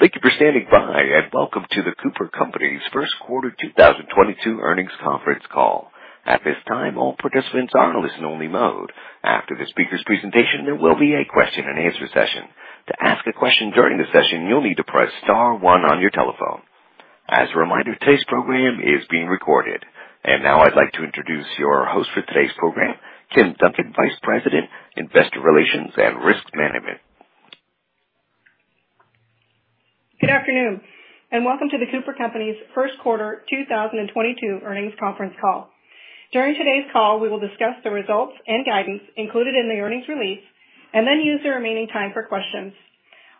Thank you for standing by, and welcome to The Cooper Companies' first quarter 2022 earnings Conference Call. At this time, all participants are in listen-only mode. After the speaker's presentation, there will be a question and answer session. To ask a question during the session, you'll need to press star one on your telephone. As a reminder, today's program is being recorded. Now I'd like to introduce your host for today's program, Kim Duncan, Vice President, Investor Relations and Risk Management. Good afternoon and welcome to The Cooper Companies' Q1 2022 earnings Conference Call. During today's call, we will discuss the results and guidance included in the earnings release and then use the remaining time for questions.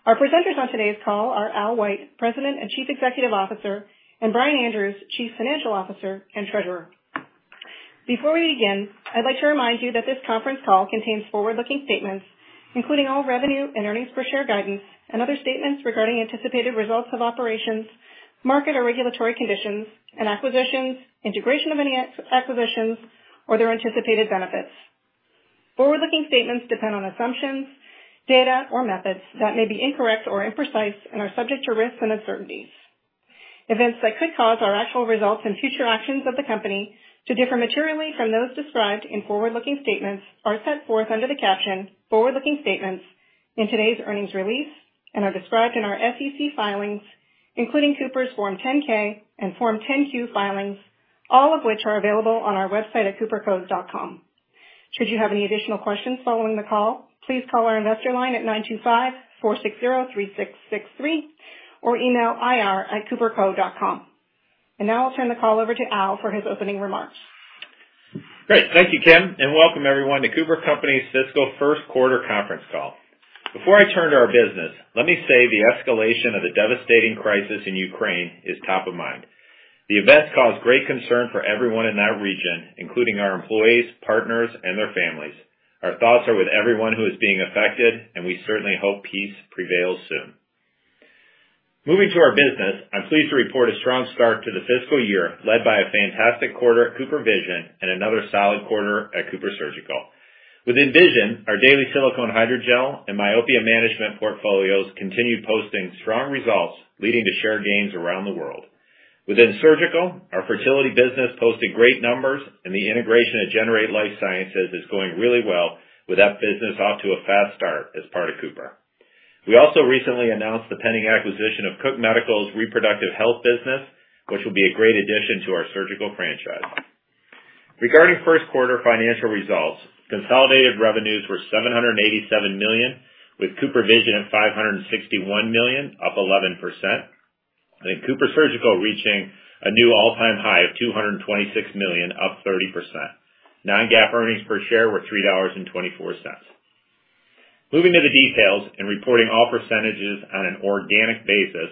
Our presenters on today's call are Al White, President and Chief Executive Officer, and Brian Andrews, Chief Financial Officer and Treasurer. Before we begin, I'd like to remind you that this Conference Call contains forward-looking statements, including all revenue and earnings per share guidance and other statements regarding anticipated results of operations, market or regulatory conditions and acquisitions, integration of any acquisitions or their anticipated benefits. Forward-looking statements depend on assumptions, data or methods that may be incorrect or imprecise and are subject to risks and uncertainties. Events that could cause our actual results and future actions of the company to differ materially from those described in forward-looking statements are set forth under the caption Forward-Looking Statements in today's earnings release and are described in our SEC filings, including Cooper's Form 10-K and Form 10-Q filings, all of which are available on our website at coopercos.com. Should you have any additional questions following the call, please call our investor line at 925-460-3663 or email ir@coopercos.com. Now I'll turn the call over to Al for his opening remarks. Great. Thank you, Kim, and welcome everyone to The Cooper Companies' fiscal Q1 Conference Call. Before I turn to our business, let me say the escalation of the devastating crisis in Ukraine is top of mind. The events cause great concern for everyone in that region, including our employees, partners and their families. Our thoughts are with everyone who is being affected and we certainly hope peace prevails soon. Moving to our business, I'm pleased to report a strong start to the fiscal year led by a fantastic quarter at CooperVision and another solid quarter at CooperSurgical. Within Vision, our daily silicone hydrogel and myopia management portfolios continued posting strong results leading to share gains around the world. Within Surgical, our fertility business posted great numbers and the integration at Generate Life Sciences is going really well with that business off to a fast start as part of Cooper. We also recently announced the pending acquisition of Cook Medical's Reproductive Health business, which will be a great addition to our surgical franchise. Regarding Q1 financial results, consolidated revenues were $787 million, with CooperVision at $561 million, up 11%, and CooperSurgical reaching a new all-time high of $226 million, up 30%. Non-GAAP earnings per share were $3.24. Moving to the details and reporting all percentages on an organic basis,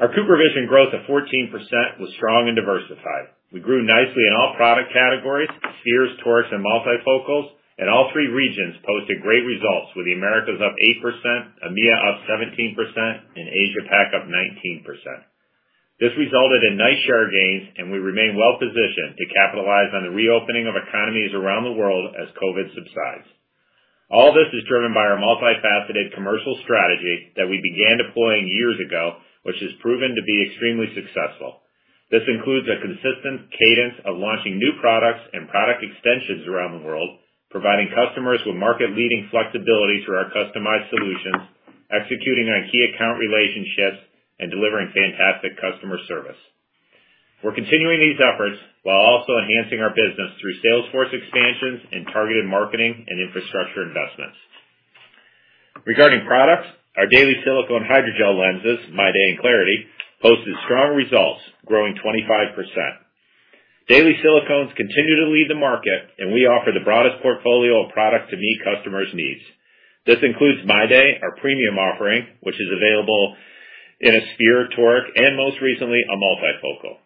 our CooperVision growth of 14% was strong and diversified. We grew nicely in all product categories spheres, torics, and multifocals, and all three regions posted great results, with the Americas up 8%, EMEA up 17% and Asia Pac up 19%. This resulted in nice share gains and we remain well-positioned to capitalize on the reopening of economies around the world as COVID subsides. All this is driven by our multifaceted commercial strategy that we began deploying years ago, which has proven to be extremely successful. This includes a consistent cadence of launching new products and product extensions around the world, providing customers with market leading flexibility through our customized solutions, executing on key account relationships, and delivering fantastic customer service. We're continuing these efforts while also enhancing our business through sales force expansions and targeted marketing and infrastructure investments. Regarding products, our daily silicone hydrogel lenses, MyDay and clariti posted strong results growing 25%. Daily silicones continue to lead the market, and we offer the broadest portfolio of products to meet customers' needs. This includes MyDay, our premium offering, which is available in a sphere, toric, and most recently a multifocal.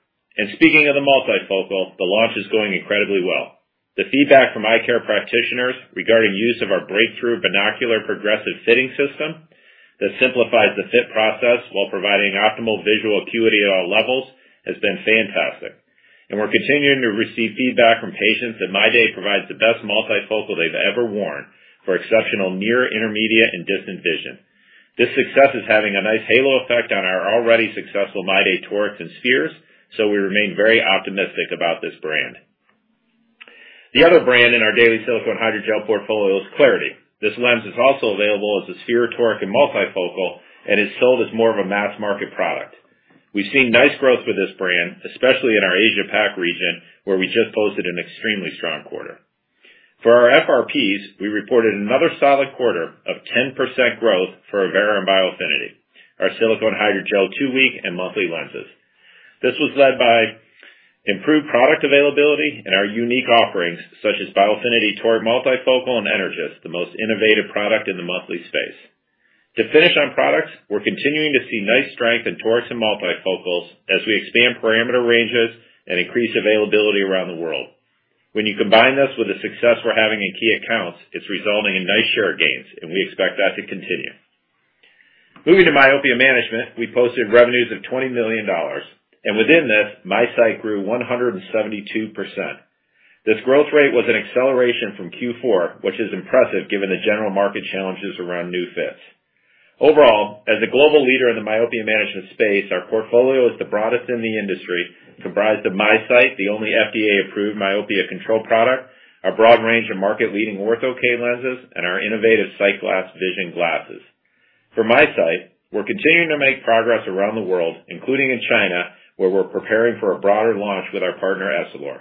Speaking of the multifocal, the launch is going incredibly well. The feedback from eye care practitioners regarding use of our breakthrough Binocular Progressive System that simplifies the fit process while providing optimal visual acuity at all levels has been fantastic. We're continuing to receive feedback from patients that MyDay provides the best multifocal they've ever worn for exceptional near, intermediate and distant vision. This success is having a nice halo effect on our already successful MyDay torics and spheres, so we remain very optimistic about this brand. The other brand in our daily silicone hydrogel portfolio is clariti. This lens is also available as a sphere, toric, and multifocal and is sold as more of a mass market product. We've seen nice growth with this brand, especially in our Asia Pac region, where we just posted an extremely strong quarter. For our FRPs, we reported another solid quarter of 10% growth for Avaira and Biofinity, our silicone hydrogel two-week and monthly lenses. This was led by improved product availability and our unique offerings such as Biofinity Toric Multifocal and Energys, the most innovative product in the monthly space. To finish on products, we're continuing to see nice strength in torics and multifocals as we expand parameter ranges and increase availability around the world. When you combine this with the success we're having in key accounts, it's resulting in nice share gains and we expect that to continue. Moving to myopia management, we posted revenues of $20 million and within this, MiSight grew 172%. This growth rate was an acceleration from Q4, which is impressive given the general market challenges around new fits. Overall, as a global leader in the myopia management space, our portfolio is the broadest in the industry, comprised of MiSight, the only FDA-approved myopia control product, our broad range of market-leading Ortho-K lenses, and our innovative SightGlass Vision glasses. For MiSight, we're continuing to make progress around the world, including in China, where we're preparing for a broader launch with our partner, Essilor.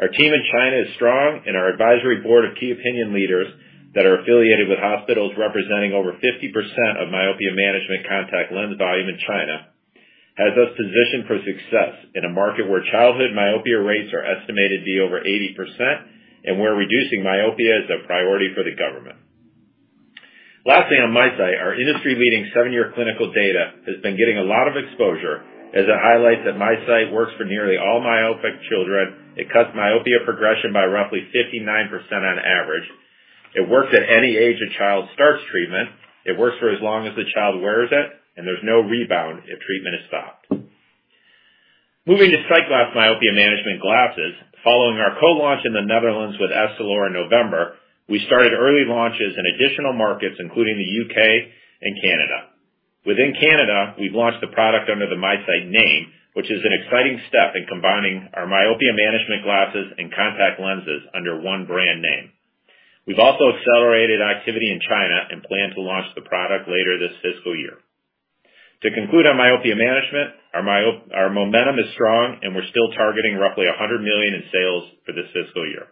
Our team in China is strong, and our advisory board of key opinion leaders that are affiliated with hospitals representing over 50% of myopia management contact lens volume in China has us positioned for success in a market where childhood myopia rates are estimated to be over 80% and where reducing myopia is a priority for the government. Lastly, on MiSight, our industry-leading seven-year clinical data has been getting a lot of exposure as it highlights that MiSight works for nearly all myopic children. It cuts myopia progression by roughly 59% on average. It works at any age a child starts treatment. It works for as long as the child wears it, and there's no rebound if treatment is stopped. Moving to SightGlass Vision myopia management glasses. Following our co-launch in the Netherlands with Essilor in November, we started early launches in additional markets, including the U.K. and Canada. Within Canada, we've launched the product under the MiSight name, which is an exciting step in combining our myopia management glasses and contact lenses under one brand name. We've also accelerated activity in China and plan to launch the product later this fiscal year. To conclude on myopia management, our momentum is strong, and we're still targeting roughly $100 million in sales for this fiscal year.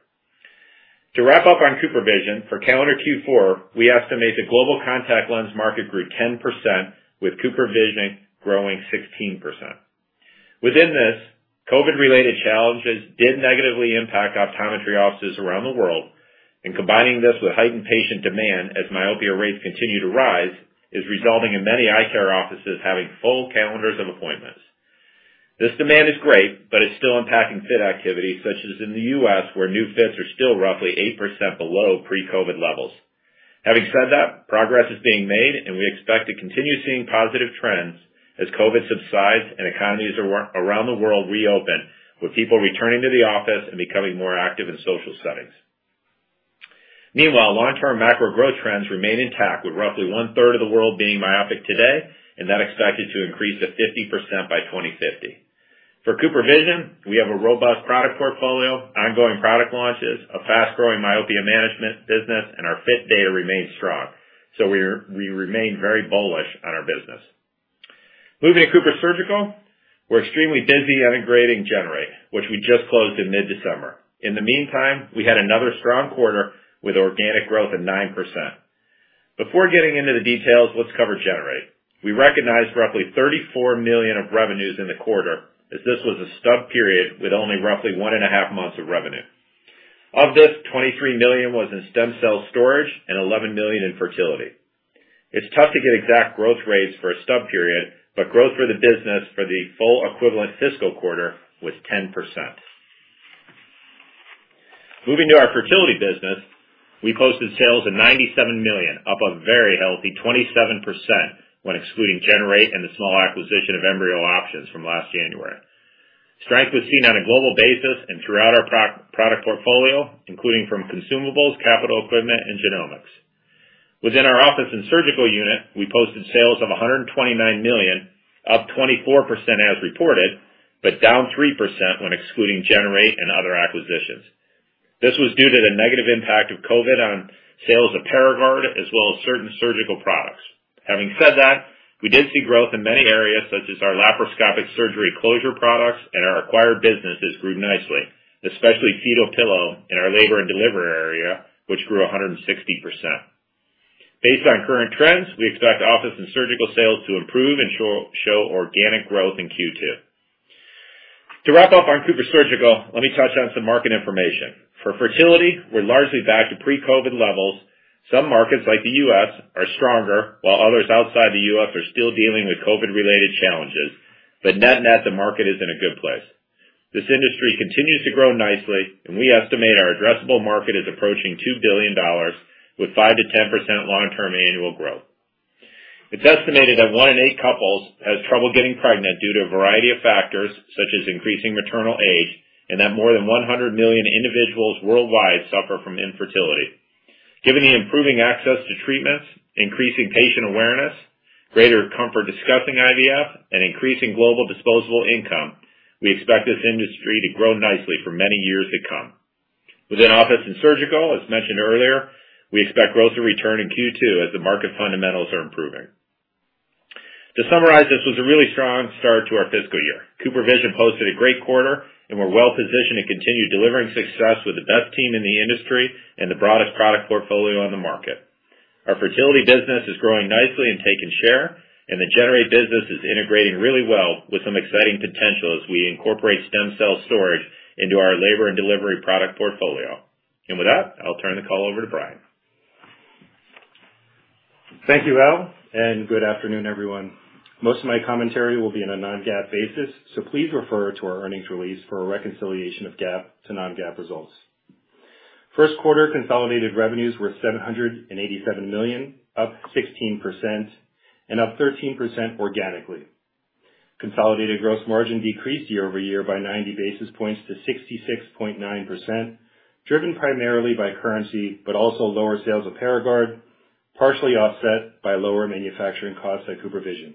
To wrap up on CooperVision, for calendar Q4, we estimate the global contact lens market grew 10%, with CooperVision growing 16%. Within this, COVID-related challenges did negatively impact optometry offices around the world. Combining this with heightened patient demand as myopia rates continue to rise is resulting in many eye care offices having full calendars of appointments. This demand is great, but it's still impacting fit activity, such as in the US., where new fits are still roughly 8% below pre-COVID levels. Having said that, progress is being made, and we expect to continue seeing positive trends as COVID subsides and economies around the world reopen, with people returning to the office and becoming more active in social settings. Meanwhile, long-term macro growth trends remain intact, with roughly one-third of the world being myopic today, and that expected to increase to 50% by 2050. For CooperVision, we have a robust product portfolio, ongoing product launches, a fast-growing myopia management business, and our fit data remains strong, so we remain very bullish on our business. Moving to CooperSurgical, we're extremely busy integrating Generate, which we just closed in mid-December. In the meantime, we had another strong quarter with organic growth of 9%. Before getting into the details, let's cover Generate. We recognized roughly $34 million of revenues in the quarter, as this was a stub period with only roughly one and a half months of revenue. Of this, $23 million was in stem cell storage and $11 million in fertility. It's tough to get exact growth rates for a stub period, but growth for the business for the full equivalent fiscal quarter was 10%. Moving to our fertility business, we posted sales of $97 million, up a very healthy 27% when excluding Generate and the small acquisition of Embryo Options from last January. Strength was seen on a global basis and throughout our product portfolio, including from consumables, capital equipment, and genomics. Within our office and surgical unit, we posted sales of $129 million, up 24% as reported, but down 3% when excluding Generate and other acquisitions. This was due to the negative impact of COVID on sales of Paragard as well as certain surgical products. Having said that, we did see growth in many areas, such as our laparoscopic surgery closure products and our acquired businesses grew nicely, especially Fetal Pillow in our labor and delivery area, which grew 160%. Based on current trends, we expect office and surgical sales to improve and show organic growth in Q2. To wrap up on CooperSurgical, let me touch on some market information. For fertility, we're largely back to pre-COVID levels. Some markets, like the US., are stronger, while others outside the US. are still dealing with COVID-related challenges. net-net, the market is in a good place. This industry continues to grow nicely, and we estimate our addressable market is approaching $2 billion with 5%-10% long-term annual growth. It's estimated that one in eight couples has trouble getting pregnant due to a variety of factors, such as increasing maternal age, and that more than 100 million individuals worldwide suffer from infertility. Given the improving access to treatments, increasing patient awareness, greater comfort discussing IVF, and increasing global disposable income, we expect this industry to grow nicely for many years to come. Within office and surgical, as mentioned earlier, we expect growth to return in Q2 as the market fundamentals are improving. To summarize, this was a really strong start to our fiscal year. CooperVision posted a great quarter, and we're well-positioned to continue delivering success with the best team in the industry and the broadest product portfolio on the market. Our fertility business is growing nicely and taking share, and the Generate business is integrating really well with some exciting potential as we incorporate stem cell storage into our labor and delivery product portfolio. With that, I'll turn the call over to Brian. Thank you, Al, and good afternoon, everyone. Most of my commentary will be on a non-GAAP basis, so please refer to our earnings release for a reconciliation of GAAP to non-GAAP results. Q1 consolidated revenues were $787 million, up 16% and up 13% organically. Consolidated gross margin decreased year-over-year by 90 basis points to 66.9%, driven primarily by currency but also lower sales of Paragard, partially offset by lower manufacturing costs at CooperVision.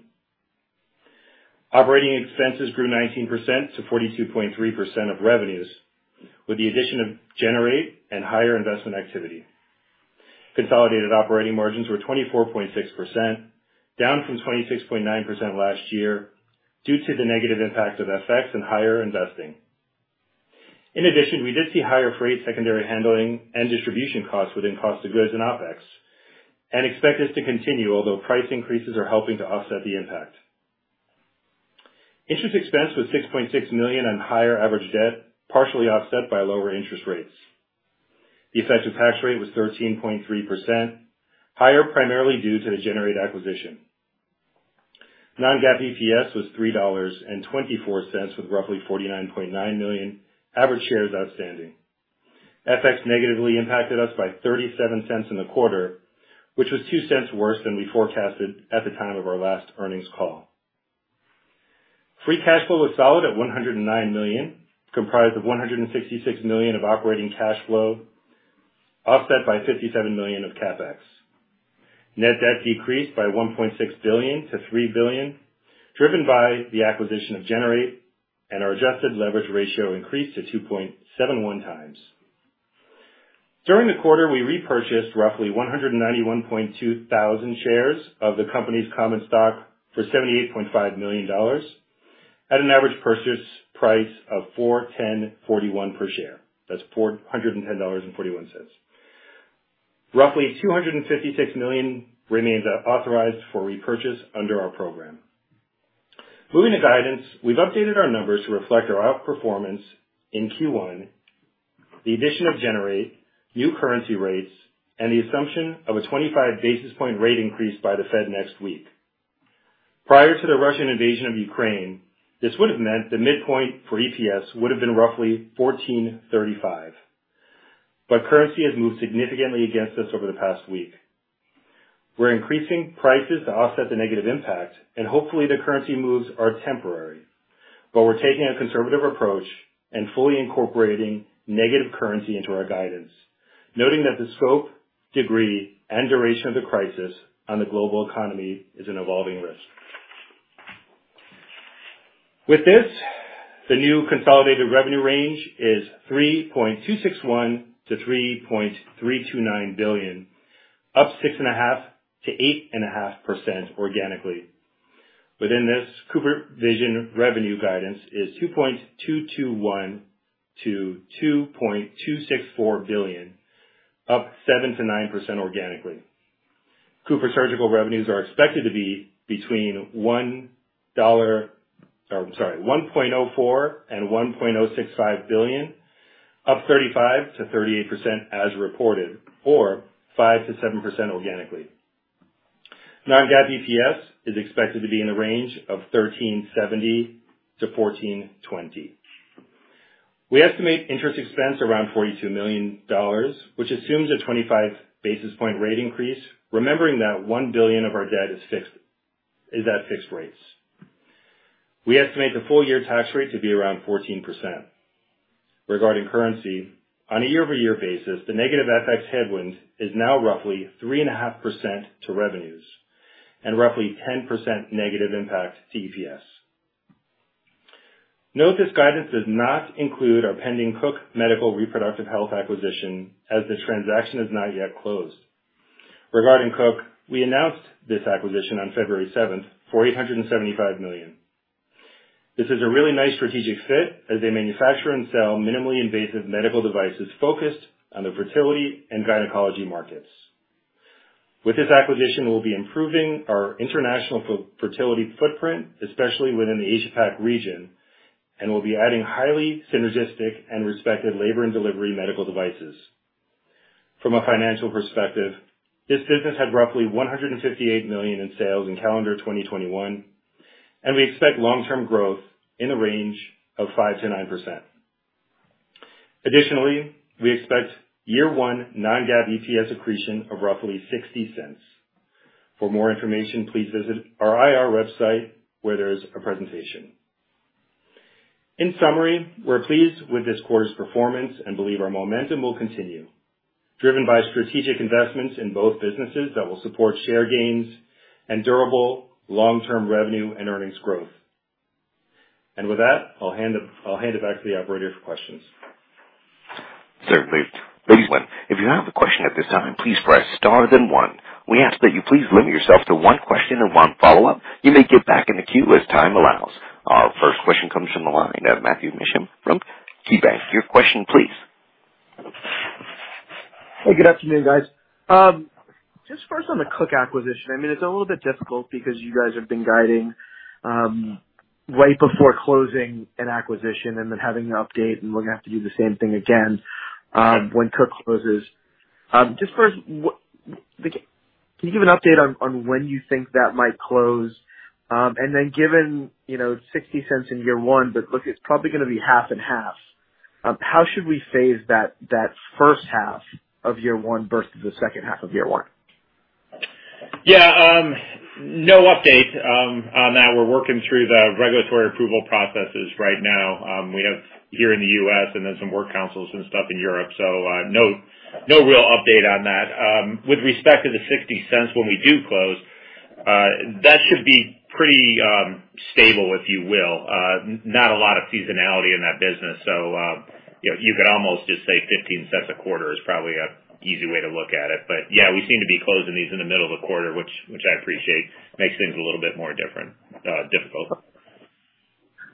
Operating expenses grew 19% to 42.3% of revenues, with the addition of Generate and higher investment activity. Consolidated operating margins were 24.6%, down from 26.9% last year due to the negative impact of FX and higher investing. In addition, we did see higher freight, secondary handling and distribution costs within cost of goods and OpEx and expect this to continue, although price increases are helping to offset the impact. Interest expense was $6.6 million on higher average debt, partially offset by lower interest rates. The effective tax rate was 13.3%, higher primarily due to the Generate acquisition. Non-GAAP EPS was $3.24, with roughly 49.9 million average shares outstanding. FX negatively impacted us by 37 cents in the quarter, which was 2 cents worse than we forecasted at the time of our last earnings call. Free cash flow was solid at $109 million, comprised of $166 million of operating cash flow, offset by $57 million of CapEx. Net debt decreased by $1.6 billion to $3 billion, driven by the acquisition of Generate and our adjusted leverage ratio increased to 2.71x. During the quarter, we repurchased roughly 191,200 shares of the company's common stock for $78.5 million at an average purchase price of $410.41 per share. That's $410.41. Roughly $256 million remains authorized for repurchase under our program. Moving to guidance, we've updated our numbers to reflect our outperformance in Q1, the addition of Generate, new currency rates, and the assumption of a 25 basis point rate increase by the Fed next week. Prior to the Russian invasion of Ukraine, this would have meant the midpoint for EPS would have been roughly $14.35. Currency has moved significantly against us over the past week. We're increasing prices to offset the negative impact and hopefully the currency moves are temporary. We're taking a conservative approach and fully incorporating negative currency into our guidance, noting that the scope, degree and duration of the crisis on the global economy is an evolving risk. With this, the new consolidated revenue range is $3.261 billion-$3.329 billion, up 6.5%-8.5% organically. Within this, CooperVision revenue guidance is $2.221 billion-$2.264 billion, up 7%-9% organically. CooperSurgical revenues are expected to be between $1... Oh, I'm sorry. $1.04 billion-$1.065 billion, up 35%-38% as reported or 5%-7% organically. Non-GAAP EPS is expected to be in the range of 13.70-14.20. We estimate interest expense around $42 million, which assumes a 25 basis point rate increase, remembering that $1 billion of our debt is fixed at fixed rates. We estimate the full-year tax rate to be around 14%. Regarding currency, on a year-over-year basis, the negative FX headwind is now roughly 3.5% to revenues and roughly 10% negative impact to EPS. Note this guidance does not include our pending Cook Medical's Reproductive Health acquisition as the transaction is not yet closed. Regarding Cook, we announced this acquisition on February 7 for $875 million. This is a really nice strategic fit as they manufacture and sell minimally invasive medical devices focused on the fertility and gynecology markets. With this acquisition, we'll be improving our international fertility footprint, especially within the Asia Pac region, and we'll be adding highly synergistic and respected labor and delivery medical devices. From a financial perspective, this business had roughly $158 million in sales in calendar 2021, and we expect long-term growth in the range of 5%-9%. Additionally, we expect year one non-GAAP EPS accretion of roughly $0.60. For more information, please visit our IR website where there's a presentation. In summary, we're pleased with this quarter's performance and believe our momentum will continue, driven by strategic investments in both businesses that will support share gains and durable long-term revenue and earnings growth. With that, I'll hand it back to the operator for questions. Certainly. Ladies and gentlemen, if you have a question at this time, please press star then one. We ask that you please limit yourself to one question and one follow-up. You may get back in the queue as time allows. Our first question comes from the line of Matthew Mishan from KeyBanc. Your question please. Hey, good afternoon, guys. Just first on the Cook acquisition. I mean, it's a little bit difficult because you guys have been guiding right before closing an acquisition and then having to update and we're gonna have to do the same thing again when Cook closes. Just first, can you give an update on when you think that might close? And then given, you know, $0.60 in year one, but look, it's probably gonna be half and half. How should we phase that first half of year one versus the second half of year one? Yeah. No update on that. We're working through the regulatory approval processes right now, we have here in the US. and then some work councils and stuff in Europe. No real update on that. With respect to the $0.60 when we do close, that should be pretty stable, if you will. Not a lot of seasonality in that business, so you know, you could almost just say $0.15 a quarter is probably an easy way to look at it. But yeah, we seem to be closing these in the middle of the quarter, which I appreciate. Makes things a little bit more difficult.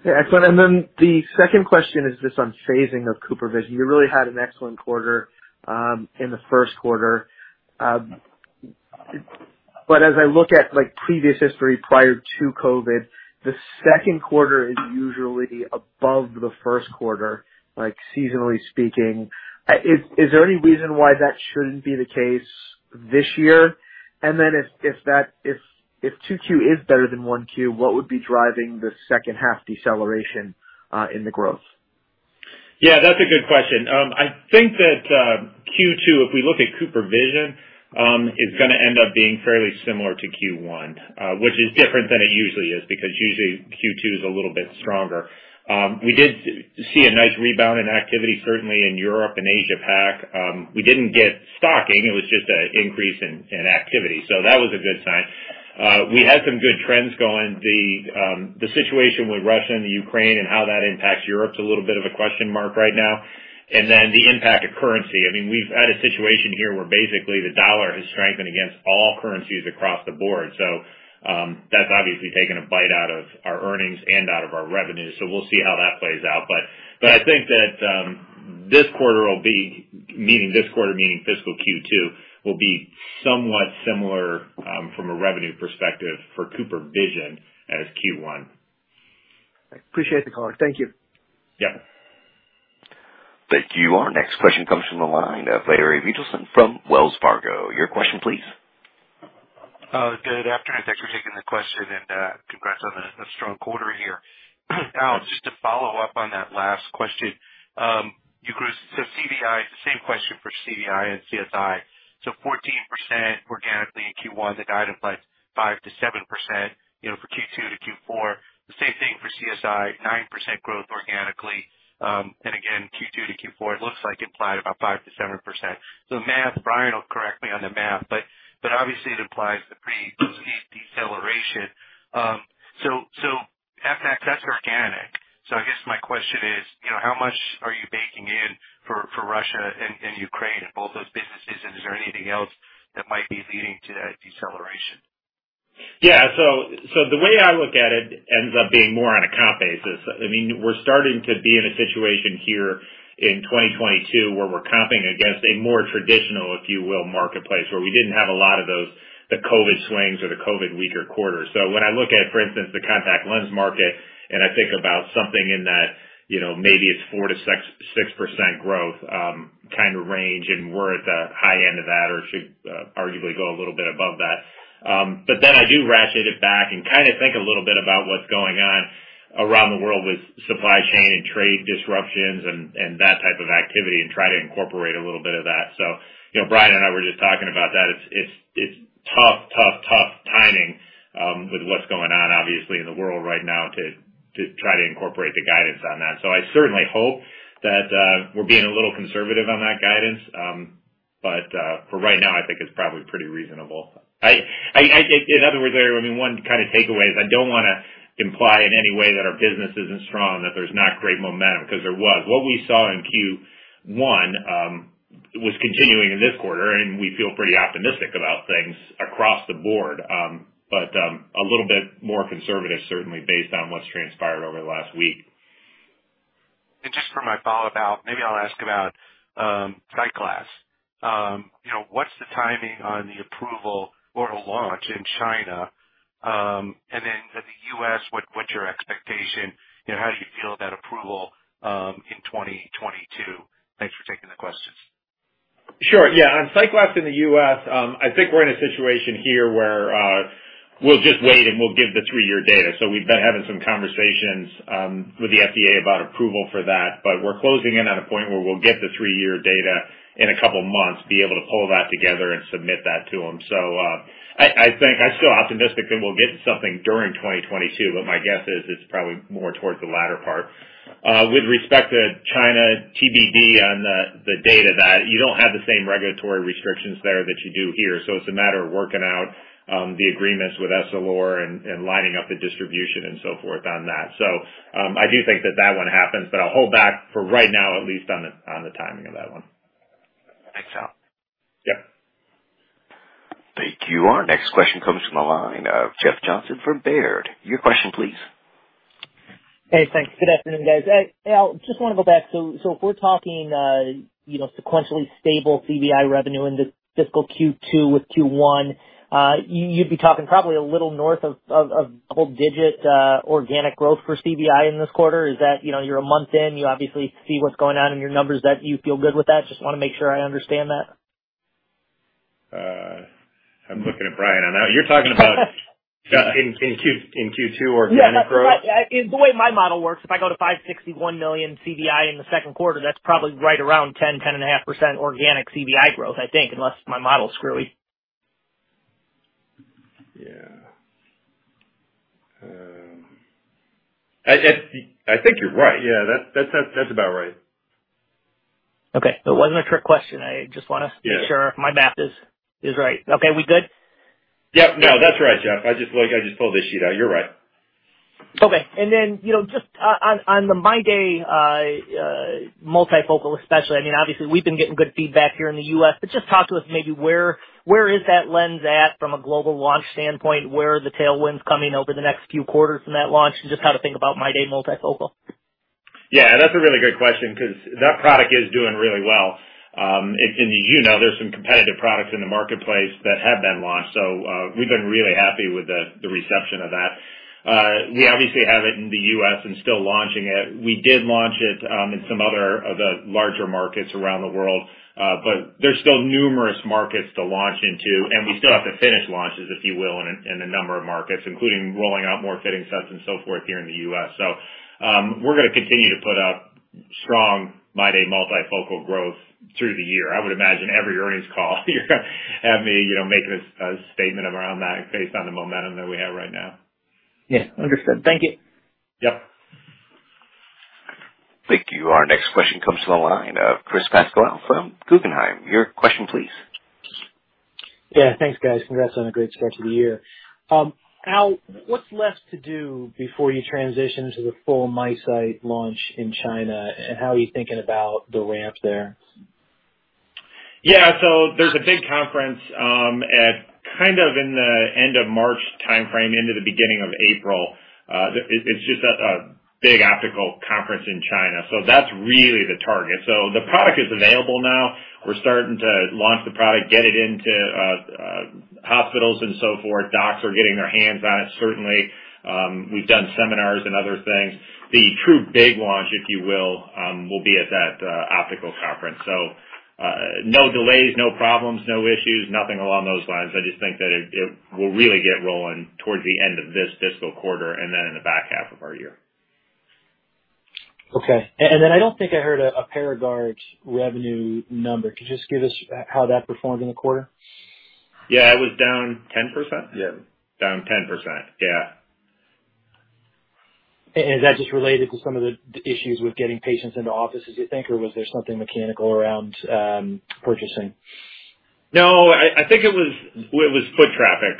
Yeah, excellent. The second question is just on phasing of CooperVision. You really had an excellent quarter in the Q1. As I look at like previous history prior to COVID, the Q2 is usually above the Q1, like seasonally speaking. Is there any reason why that shouldn't be the case this year? If two Q is better than one Q, what would be driving the second half deceleration in the growth? Yeah, that's a good question. I think that Q2, if we look at CooperVision, is gonna end up being fairly similar to Q1, which is different than it usually is, because usually Q2 is a little bit stronger. We did see a nice rebound in activity, certainly in Europe and Asia Pac. We didn't get stocking, it was just an increase in activity. That was a good sign. We had some good trends going. The situation with Russia and the Ukraine and how that impacts Europe is a little bit of a question mark right now. The impact of currency. I mean, we've had a situation here where basically the dollar has strengthened against all currencies across the board. That's obviously taken a bite out of our earnings and out of our revenues. We'll see how that plays out. I think that this quarter will be, meaning this quarter, meaning fiscal Q2, will be somewhat similar, from a revenue perspective for CooperVision as Q1. I appreciate the color. Thank you. Yeah. Thank you. Our next question comes from the line of Larry Biegelsen from Wells Fargo. Your question please. Good afternoon. Thanks for taking the question, and congrats on a strong quarter here. Al, just to follow-up on that last question. You grew, so CVI, the same question for CVI and CSI. Fourteen percent organically in Q1, that guided by 5%-7%, you know, for Q2 to Q4. The same thing for CSI, 9% growth organically. And again, Q2 to Q4, it looks like implied about 5%-7%. Math, Brian will correct me on the math, but obviously it implies a pretty steep deceleration. That's organic. I guess my question is, you know, how much are you baking in for Russia and Ukraine in both those businesses? And is there anything else that might be leading to that deceleration? The way I look at it ends up being more on a comp basis. I mean, we're starting to be in a situation here in 2022 where we're comping against a more traditional, if you will, marketplace, where we didn't have a lot of those, the COVID swings or the COVID weaker quarters. When I look at, for instance, the contact lens market, and I think about something in that, you know, maybe it's 4%-6% growth kind of range, and we're at the high-end of that or should arguably go a little bit above that. I do ratchet it back and kinda think a little bit about what's going on around the world with supply chain and trade disruptions and that type of activity and try to incorporate a little bit of that. You know, Brian and I were just talking about that. It's tough timing with what's going on obviously in the world right now to try to incorporate the guidance on that. I certainly hope that we're being a little conservative on that guidance. For right now, I think it's probably pretty reasonable. In other words, Larry, I mean, one kind of takeaway is I don't wanna imply in any way that our business isn't strong, that there's not great momentum, because there was. What we saw in Q1 was continuing in this quarter, and we feel pretty optimistic about things across the board. A little bit more conservative certainly based on what's transpired over the last week. Just for my follow-up, Al, maybe I'll ask about SightGlass. You know, what's the timing on the approval or launch in China? And then in the US., what's your expectation? You know, how do you feel about approval in 2022? Thanks for taking the questions. Sure. Yeah. On SightGlass in the US, I think we're in a situation here where we'll just wait and we'll give the three-year data. We've been having some conversations with the FDA about approval for that, but we're closing in at a point where we'll get the three-year data in a couple of months, be able to pull that together and submit that to them. I think I'm still optimistic that we'll get something during 2022, but my guess is it's probably more towards the latter part. With respect to China, TBD on the data that you don't have the same regulatory restrictions there that you do here. It's a matter of working out the agreements with Essilor and lining up the distribution and so forth on that. I do think that one happens, but I'll hold back for right now at least on the timing of that one. Thanks, Al. Yeah. Thank you. Our next question comes from the line of Jeff Johnson from Baird. Your question please. Hey, thanks. Good afternoon, guys. Al, just wanna go back. If we're talking sequentially stable CVI revenue in this fiscal Q2 with Q1, you'd be talking probably a little north of double-digit organic growth for CVI in this quarter. Is that, you know, you're a month in, you obviously see what's going on in your numbers that you feel good with that? Just wanna make sure I understand that. I'm looking at Brian. I know you're talking about in Q2 organic growth. Yeah. The way my model works, if I go to $561 million CVI in the Q2, that's probably right around 10%-10.5% organic CVI growth, I think, unless my model's screwy. Yeah. I think you're right. Yeah, that's about right. Okay. It wasn't a trick question. I just wanna- Yeah. Make sure my math is right. Okay. We good? Yep. No, that's right, Jeff. I just pulled this sheet out. You're right. Okay. You know, just on the MyDay multifocal especially, I mean, obviously we've been getting good feedback here in the US., but just talk to us maybe where is that lens at from a global launch standpoint? Where are the tailwinds coming over the next few quarters from that launch, and just how to think about MyDay multifocal. Yeah, that's a really good question 'cause that product is doing really well. And you know, there's some competitive products in the marketplace that have been launched, so we've been really happy with the reception of that. We obviously have it in the US. and still launching it. We did launch it in some of the other larger markets around the world. But there's still numerous markets to launch into, and we still have to finish launches, if you will, in a number of markets, including rolling out more fitting sets and so forth here in the US. We're gonna continue to put out strong MyDay multifocal growth through the year. I would imagine every earnings call you're gonna have me making a statement around that based on the momentum that we have right now. Yeah. Understood. Thank you. Yep. Thank you. Our next question comes from the line of Chris Pasquale from Guggenheim. Your question please. Yeah, thanks, guys. Congrats on a great start to the year. Al, what's left to do before you transition to the full MiSight launch in China, and how are you thinking about the ramp there? Yeah. There's a big conference at kind of in the end of March timeframe into the beginning of April. It's just a big optical conference in China. That's really the target. The product is available now. We're starting to launch the product, get it into hospitals and so forth. Docs are getting their hands on it, certainly. We've done seminars and other things. The true big launch, if you will be at that optical conference. No delays, no problems, no issues, nothing along those lines. I just think that it will really get rolling towards the end of this fiscal quarter and then in the back half of our year. I don't think I heard a Paragard revenue number. Could you just give us how that performed in the quarter? Yeah. It was down 10%? Yeah. Down 10%. Yeah. Is that just related to some of the issues with getting patients into offices, you think, or was there something mechanical around purchasing? No, I think it was foot traffic.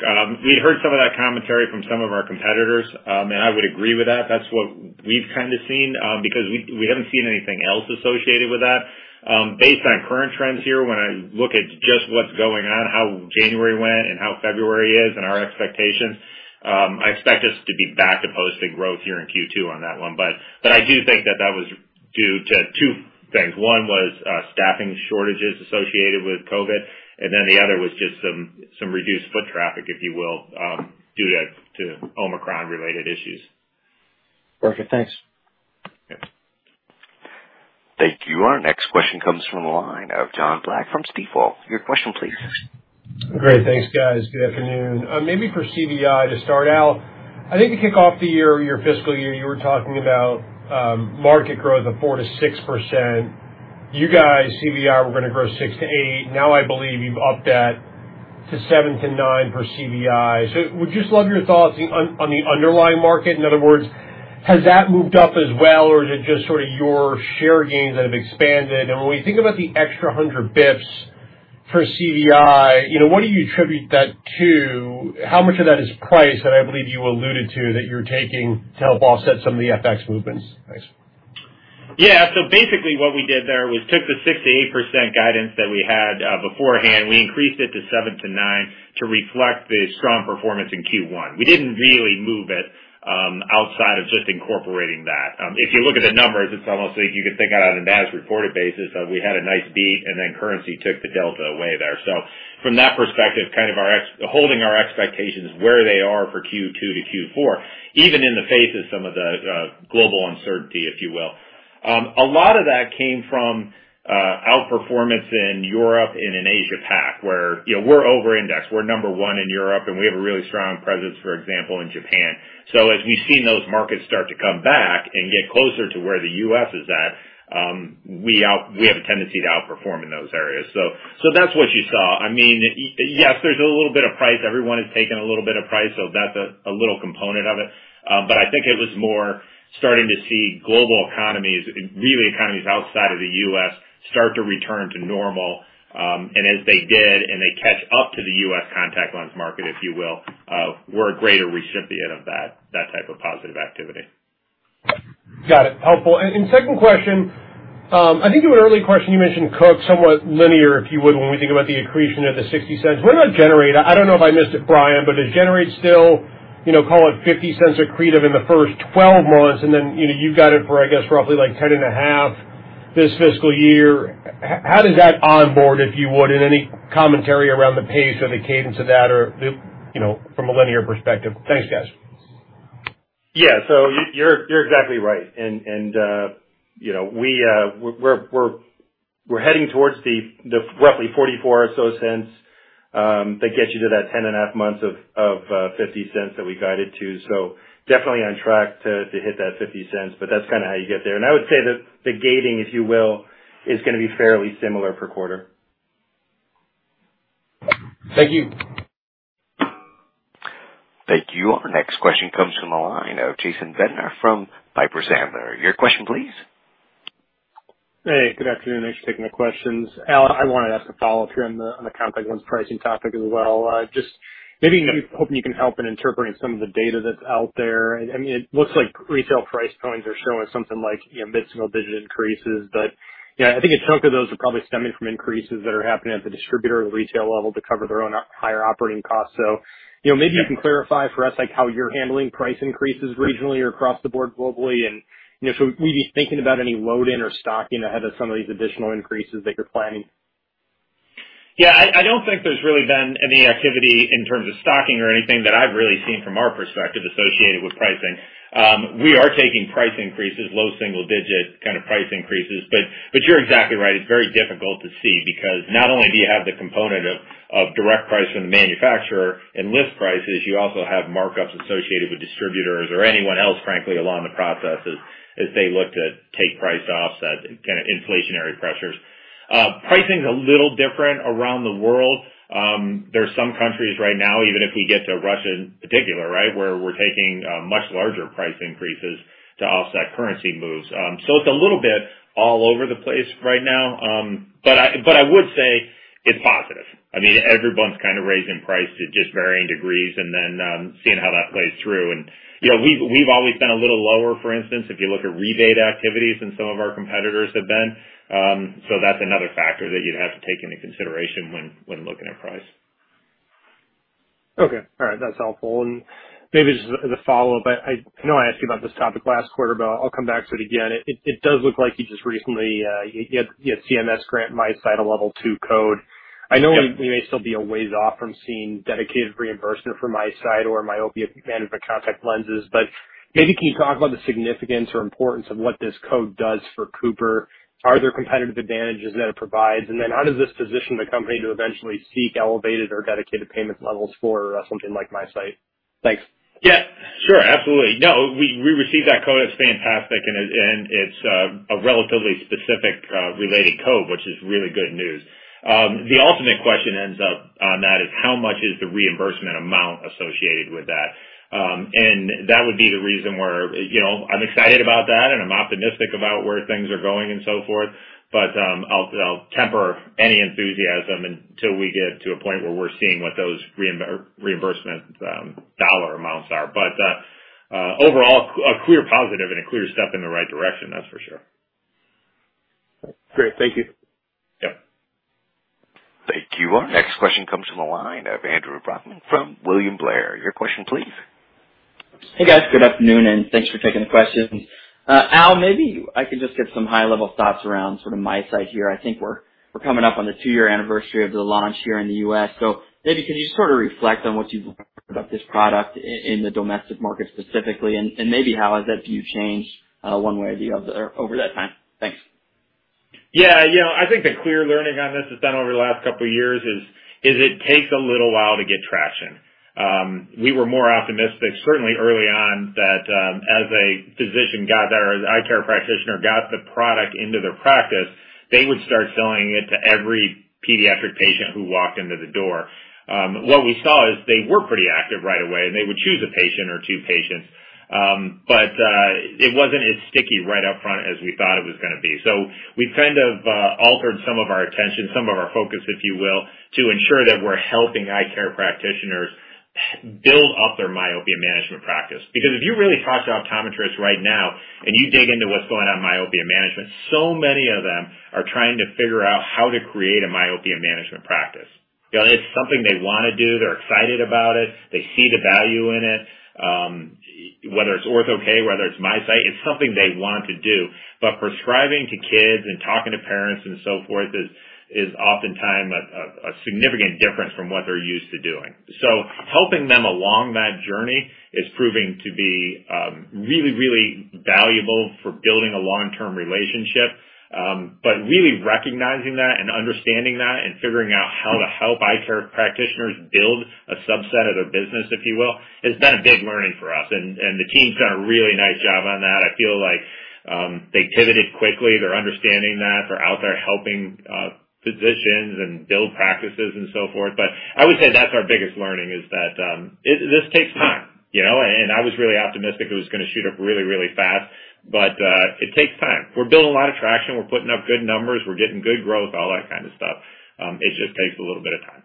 We heard some of that commentary from some of our competitors, and I would agree with that. That's what we've kind of seen, because we haven't seen anything else associated with that. Based on current trends here, when I look at just what's going on, how January went and how February is and our expectations, I expect us to be back to posting growth here in Q2 on that one. I do think that was due to two things. One was staffing shortages associated with COVID, and then the other was just some reduced foot traffic, if you will, due to Omicron-related issues. Okay, thanks. Yeah. Thank you. Our next question comes from the line of Jonathan Block from Stifel. Your question please. Great. Thanks, guys. Good afternoon. Maybe for CVI to start, Al, I think to kick off the year, your fiscal year, you were talking about market growth of 4%-6%. You guys, CVI, were gonna grow 6%-8%. Now I believe you've upped that to 7%-9% for CVI. Would just love your thoughts on the underlying market. In other words, has that moved up as well, or is it just sort of your share gains that have expanded? When we think about the extra 100 bips for CVI, you know, what do you attribute that to? How much of that is price that I believe you alluded to that you're taking to help offset some of the FX movements? Thanks. Yeah. Basically what we did there was took the 6%-8% guidance that we had beforehand. We increased it to 7%-9% to reflect the strong performance in Q1. We didn't really move it outside of just incorporating that. If you look at the numbers, it's almost like you could think on an as-reported basis, we had a nice beat and then currency took the delta away there. From that perspective, kind of our ex-FX holding our expectations where they are for Q2 to Q4, even in the face of some of the global uncertainty, if you will. A lot of that came from outperformance in Europe and in Asia Pac, where, you know, we're over-indexed. We're number one in Europe, and we have a really strong presence, for example, in Japan. As we've seen those markets start to come back and get closer to where the US. is at, we have a tendency to outperform in those areas. That's what you saw. I mean, yes, there's a little bit of price. Everyone has taken a little bit of price, so that's a little component of it. I think it was more starting to see global economies, really economies outside of the US., start to return to normal. As they did, they catch up to the US. contact lens market, if you will, we're a greater recipient of that type of positive activity. Got it. Helpful. Second question, I think in an early question, you mentioned Cook, somewhat linear, if you would, when we think about the accretion of the $0.60. What about Generate? I don't know if I missed it, Brian, but does Generate still call it $0.50 accretive in the first twelve months, and then you've got it for, I guess, roughly like 10.5 this fiscal year. How does that onboard, if you would, and any commentary around the pace or the cadence of that or from a linear perspective. Thanks, guys. Yeah, you're exactly right. You know, we're heading towards the roughly $0.44 or so that gets you to that 10.5 months of $0.50 that we guided to. Definitely on track to hit that $0.50, but that's kind of how you get there. I would say that the gating, if you will, is gonna be fairly similar per quarter. Thank you. Thank you. Our next question comes from the line of Jason Bednar from Piper Sandler. Your question please. Hey, good afternoon. Thanks for taking the questions. Al, I wanted to ask a follow-up here on the contact lens pricing topic as well. Just maybe hoping you can help in interpreting some of the data that's out there. I mean, it looks like retail price points are showing something like, you know, mid-single-digit increases. But, you know, I think a chunk of those are probably stemming from increases that are happening at the distributor or retail level to cover their own higher operating costs. You know, maybe you can clarify for us, like, how you're handling price increases regionally or across the board globally. Were you thinking about any load in or stocking ahead of some of these additional increases that you're planning? Yeah, I don't think there's really been any activity in terms of stocking or anything that I've really seen from our perspective associated with pricing. We are taking price increases, low single-digit kind of price increases. You're exactly right. It's very difficult to see because not only do you have the component of direct price from the manufacturer and list prices, you also have markups associated with distributors or anyone else, frankly, along the process as they look to take price to offset kind of inflationary pressures. Pricing's a little different around the world. There are some countries right now, even if we get to Russia in particular, right, where we're taking much larger price increases to offset currency moves. It's a little bit all over the place right now. I would say it's positive. I mean, everyone's kind of raising price to just varying degrees and then, seeing how that plays through. You know, we've always been a little lower, for instance, if you look at rebate activities than some of our competitors have been. That's another factor that you'd have to take into consideration when looking at price. Okay. All right. That's helpful. Maybe just as a follow-up, I know I asked you about this topic last quarter, but I'll come back to it again. It does look like you just recently had CMS grant MiSight a level two code. Yep. I know we may still be a ways off from seeing dedicated reimbursement for MiSight or myopia management contact lenses, but maybe can you talk about the significance or importance of what this code does for Cooper? Are there competitive advantages that it provides? How does this position the company to eventually seek elevated or dedicated payment levels for something like MiSight? Thanks. Yeah. Sure. Absolutely. No, we received that code, it's fantastic, and it's a relatively specific-related code, which is really good news. The ultimate question ends up on that is how much is the reimbursement amount associated with that? That would be the reason we're excited about that, and I'm optimistic about where things are going and so forth. I'll temper any enthusiasm until we get to a point where we're seeing what those reimbursement dollar amounts are. Overall a clear positive and a clear step in the right direction, that's for sure. Great. Thank you. Yep. Thank you. Our next question comes from the line of Andrew Brackmann from William Blair. Your question please. Hey, guys. Good afternoon, and thanks for taking the questions. Al, maybe I can just get some high-level thoughts around sort of MiSight here. I think we're coming up on the two-year anniversary of the launch here in the US. Maybe can you just sort of reflect on what you've learned about this product in the domestic market specifically, and maybe how has that view changed, one way or the other over that time? Thanks. Yeah, you know, I think the clear learning on this has been over the last couple of years is it takes a little while to get traction. We were more optimistic certainly early on, that as a physician got or the eye care practitioner got the product into their practice, they would start selling it to every pediatric patient who walked into the door. What we saw is they were pretty active right away, and they would choose a patient or two patients. It wasn't as sticky right up front as we thought it was gonna be. We've kind of altered some of our attention, some of our focus, if you will, to ensure that we're helping eye care practitioners build up their myopia management practice. Because if you really talk to optometrists right now and you dig into what's going on in myopia management, so many of them are trying to figure out how to create a myopia management practice. You know, it's something they wanna do, they're excited about it, they see the value in it. Whether it's Ortho-K, whether it's MiSight, it's something they want to do. But prescribing to kids and talking to parents and so forth is oftentimes a significant difference from what they're used to doing. Helping them along that journey is proving to be really valuable for building a long-term relationship. Really recognizing that and understanding that and figuring out how to help eye care practitioners build a subset of their business, if you will, has been a big learning for us. The team's done a really nice job on that. I feel like they pivoted quickly. They're understanding that. They're out there helping physicians and building practices and so forth. I would say that's our biggest learning, is that this takes time, you know? I was really optimistic it was gonna shoot up really fast, but it takes time. We're building a lot of traction. We're putting up good numbers. We're getting good growth, all that kind of stuff. It just takes a little bit of time.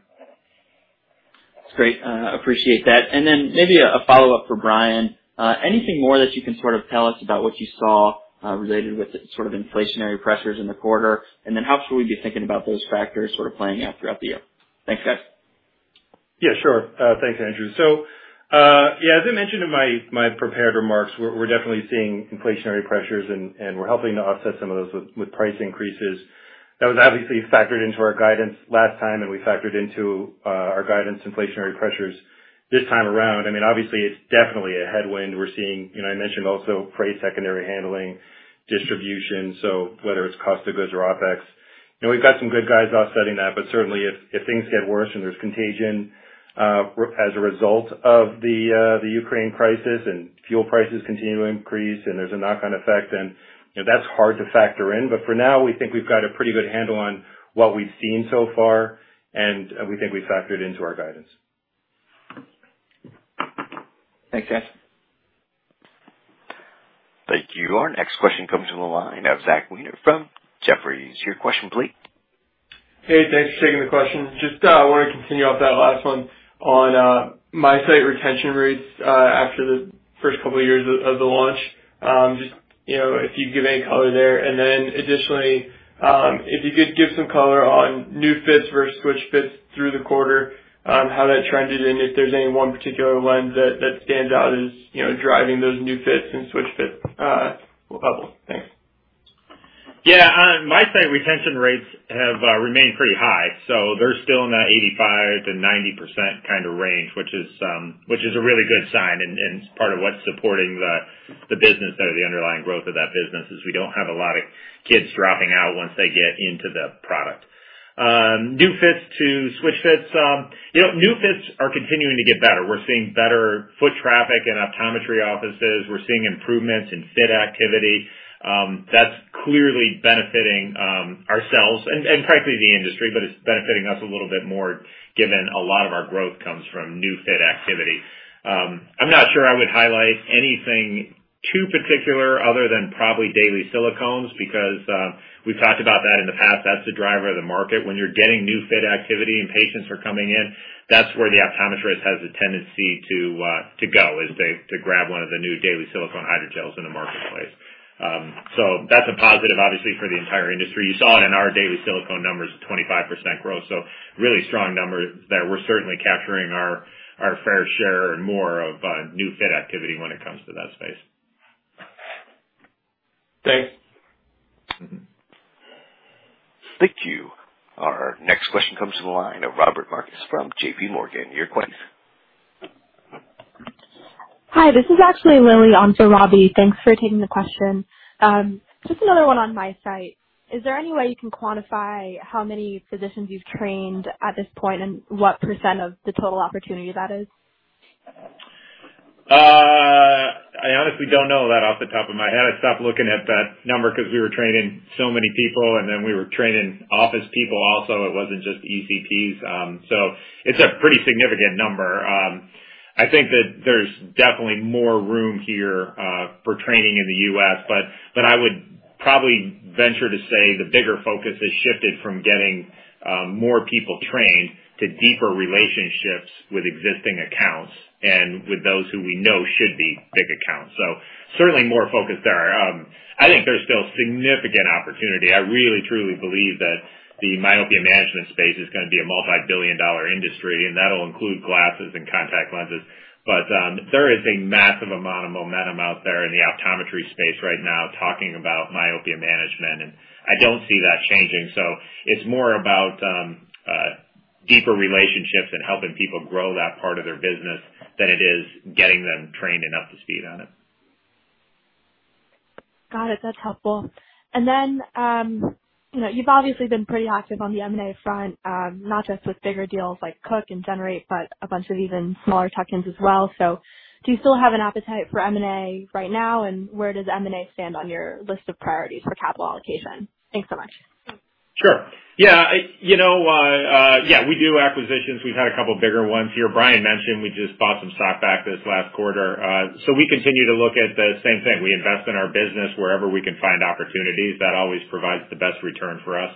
That's great. I appreciate that. Then maybe a follow-up for Brian. Anything more that you can sort of tell us about what you saw related with sort of inflationary pressures in the quarter? Then how should we be thinking about those factors sort of playing out throughout the year? Thanks, guys Yeah, sure. Thanks, Andrew. So, yeah, as I mentioned in my prepared remarks, we're definitely seeing inflationary pressures and we're helping to offset some of those with price increases. That was obviously factored into our guidance last time, and we factored into our guidance inflationary pressures this time around. I mean, obviously, it's definitely a headwind. We're seeing, you know, I mentioned also freight, secondary handling, distribution, so whether it's cost of goods or OpEx. You know, we've got some good hedges offsetting that. But certainly if things get worse and there's contagion as a result of the Ukraine crisis and fuel prices continue to increase, and there's a knock-on effect then, you know, that's hard to factor in. For now, we think we've got a pretty good handle on what we've seen so far, and we think we factored into our guidance. Thanks, Dan. Thank you. Our next question comes from the line of Zachary Weiner from Jefferies. Your question please. Hey, thanks for taking the question. Just wanted to continue off that last one on MiSight retention rates after the first couple of years of the launch. Just, you know, if you'd give any color there. Additionally, if you could give some color on new fits versus switch fits through the quarter, on how that trended and if there's any one particular lens that stands out as, you know, driving those new fits and switch fits level. Thanks. Yeah. On MiSight retention rates have remained pretty high, so they're still in the 85%-90% kinda range, which is a really good sign and part of what's supporting the business or the underlying growth of that business, is we don't have a lot of kids dropping out once they get into the product. New fits to switch fits. You know, new fits are continuing to get better. We're seeing better foot traffic in optometry offices. We're seeing improvements in fit activity. That's clearly benefiting ourselves and frankly the industry, but it's benefiting us a little bit more given a lot of our growth comes from new fit activity. I'm not sure I would highlight anything too particular other than probably daily silicones because we've talked about that in the past. That's the driver of the market. When you're getting new fit activity and patients are coming in, that's where the optometrist has a tendency to grab one of the new daily silicone hydrogels in the marketplace. That's a positive, obviously, for the entire industry. You saw it in our daily silicone numbers, 25% growth, so really strong numbers there. We're certainly capturing our fair share and more of new fit activity when it comes to that space Thanks. Mm-hmm. Thank you. Our next question comes from the line of Robbie Marcus from J.P. Morgan. Your question. Hi, this is actually Lily on for Robbie. Thanks for taking the question. Just another one on MiSight. Is there any way you can quantify how many physicians you've trained at this point and what % of the total opportunity that is? I honestly don't know that off the top of my head. I stopped looking at that number 'cause we were training so many people, and then we were training office people also. It wasn't just ECPs. It's a pretty significant number. I think that there's definitely more room here for training in the US., but I would probably venture to say the bigger focus has shifted from getting more people trained to deeper relationships with existing accounts and with those who we know should be big accounts. Certainly more focused there. I think there's still significant opportunity. I really, truly believe that the myopia management space is gonna be a multi-billion dollar industry, and that'll include glasses and contact lenses. there is a massive amount of momentum out there in the optometry space right now talking about myopia management, and I don't see that changing. It's more about deeper relationships and helping people grow that part of their business than it is getting them trained and up to speed on it. Got it. That's helpful. You know, you've obviously been pretty active on the M&A front, not just with bigger deals like Cook and Generate, but a bunch of even smaller tuck-ins as well. Do you still have an appetite for M&A right now, and where does M&A stand on your list of priorities for capital allocation? Thanks so much. Sure. Yeah. You know, yeah, we do acquisitions. We've had a couple bigger ones here. Brian mentioned we just bought some stock back this last quarter. We continue to look at the same thing. We invest in our business wherever we can find opportunities. That always provides the best return for us.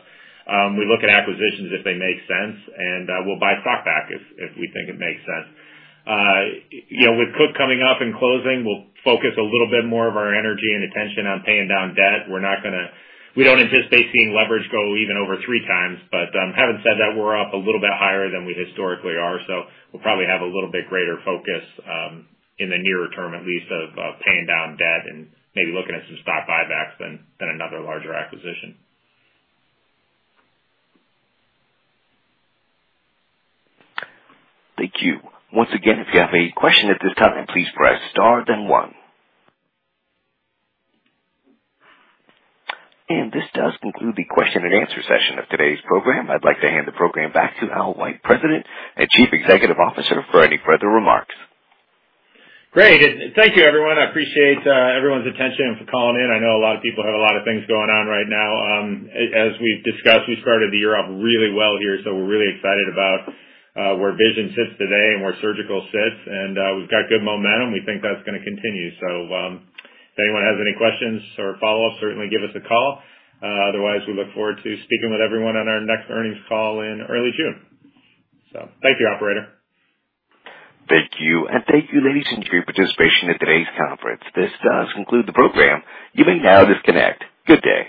We look at acquisitions if they make sense, and we'll buy stock back if we think it makes sense. You know, with Cook coming up and closing, we'll focus a little bit more of our energy and attention on paying down debt. We don't anticipate seeing leverage go even over three times. Having said that, we're up a little bit higher than we historically are, so we'll probably have a little bit greater focus in the nearer term, at least of paying down debt and maybe looking at some stock buybacks than another larger acquisition. Thank you. Once again, if you have a question at this time, then please press star then one. This does conclude the question and answer session of today's program. I'd like to hand the program back to Al White, President and Chief Executive Officer, for any further remarks. Great. Thank you, everyone. I appreciate everyone's attention and for calling in. I know a lot of people have a lot of things going on right now. As we've discussed, we started the year off really well here, so we're really excited about where vision sits today and where surgical sits. We've got good momentum. We think that's gonna continue. If anyone has any questions or follow-ups, certainly give us a call. Otherwise, we look forward to speaking with everyone on our next earnings call in early June. Thank you, operator. Thank you. Thank you, ladies and gentlemen, for your participation in today's conference. This does conclude the program. You may now disconnect. Good day.